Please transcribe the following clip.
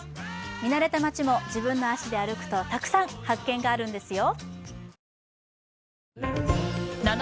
見慣れた街も自分の足で歩くとたくさん発見があるんですよ